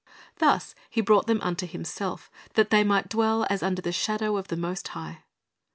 "^ Thus He brought them unto Himself, that they might dwell as under the shadow of the Most High.